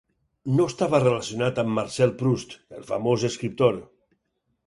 No estava relacionat amb Marcel Proust, el famós escriptor.